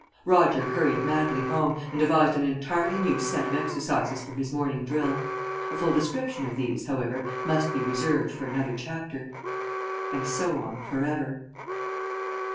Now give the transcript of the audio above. Roger hurried madly home, and devised an entirely new set of exercises for his morning drill. A full description of these, however, must be reserved for another chapter. (_And so on for ever.